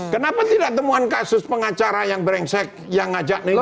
kenapa tidak temuan kasus pengacara yang brengsek yang ngajak nengok